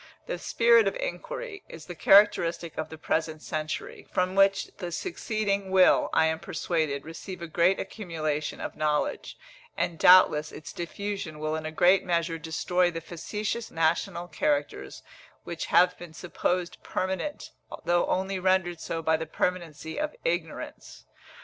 This spirit of inquiry is the characteristic of the present century, from which the succeeding will, I am persuaded, receive a great accumulation of knowledge; and doubtless its diffusion will in a great measure destroy the factitious national characters which have been supposed permanent, though only rendered so by the permanency of ignorance.